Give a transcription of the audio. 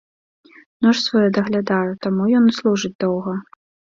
Нож свой я даглядаю, таму ён і служыць доўга.